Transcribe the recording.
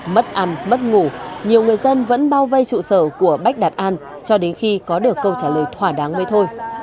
mất ăn mất ngủ nhiều người dân vẫn bao vây trụ sở của bách đạt an cho đến khi có được câu trả lời thỏa đáng với thôi